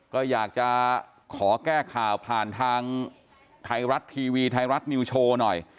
ก็อยากจะขอแก้ข่าวผ่านทางไทยรัฐทีวีไทยรัฐนิวโชว์หน่อย